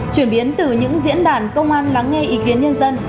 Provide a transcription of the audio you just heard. chuyển biến từ những diễn đàn công an lắng nghe ý kiến nhân dân